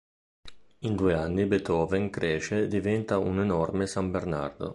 In due anni Beethoven cresce e diventa un enorme San Bernardo.